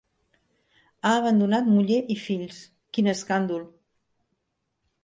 Ha abandonat muller i fills: quin escàndol!